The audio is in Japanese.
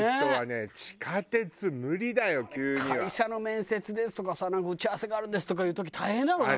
会社の面接ですとかさ打ち合わせがあるんですとかいう時大変だろうなと。